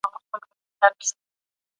تعلیم د ژوند کیفیت ښه کړی دی.